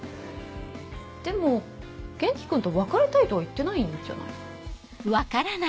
でも元気君と別れたいとは言ってないんじゃない？